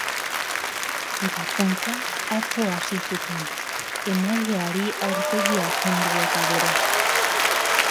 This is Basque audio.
Ebakuntza atzo hasi zuten, emaileari aurpegia kendu eta gero.